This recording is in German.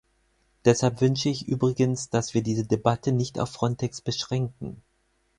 Deshalb wünsche ich übrigens, dass wir diese Debatte nicht auf Frontex beschränken.